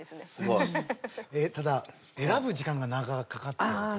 ただ選ぶ時間が長くかかったりという。